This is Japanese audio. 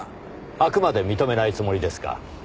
あくまで認めないつもりですか？